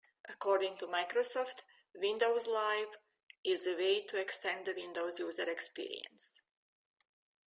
According to Microsoft, Windows Live "is a way to extend the Windows user experience".